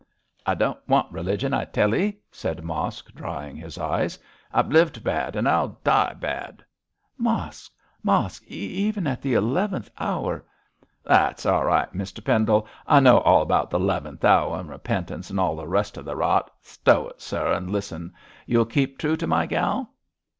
'I don't want religion, I tell 'ee,' said Mosk, drying his eyes; 'I've lived bad and I'll die bad.' 'Mosk! Mosk! even at the eleventh hour ' 'That's all right, Mr Pendle; I know all about th' 'leventh hour, and repentance and the rest of th' rot. Stow it, sir, and listen. You'll keep true to my gal?'